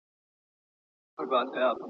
له ازله یو قانون د حکومت دی!